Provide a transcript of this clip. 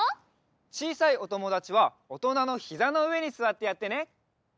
ちいさいおともだちはおとなのひざのうえにすわってやってね。